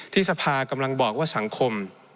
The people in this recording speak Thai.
สภากำลังบอกว่าสังคม